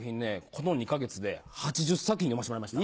この２か月で８０作品読ませてもらいました。